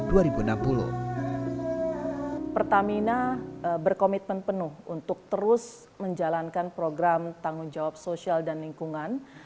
pertamina berkomitmen penuh untuk terus menjalankan program tanggung jawab sosial dan lingkungan